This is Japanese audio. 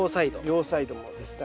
両サイドもですね。